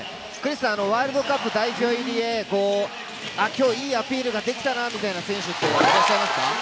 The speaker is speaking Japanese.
ワールドカップ代表入りへきょういいアピールができたなという選手はいらっしゃいますか？